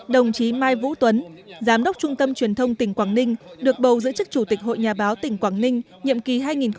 đồng chí mai vũ tuấn giám đốc trung tâm truyền thông tỉnh quảng ninh được bầu giữ chức chủ tịch hội nhà báo tỉnh quảng ninh nhiệm kỳ hai nghìn một mươi chín hai nghìn hai mươi sáu